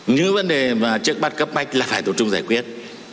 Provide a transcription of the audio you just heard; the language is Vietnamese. những vấn đề mà trước mắt cấp bách là phải tổ chung giải quyết